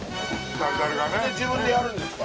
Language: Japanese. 自分でやるんですか？